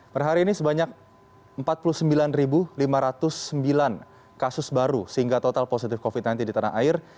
per hari ini sebanyak empat puluh sembilan lima ratus sembilan kasus baru sehingga total positif covid sembilan belas di tanah air